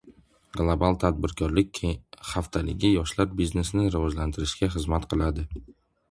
“Global tadbirkorlik” haftaligi yoshlar biznesini rivojlantirishga xizmat qiladi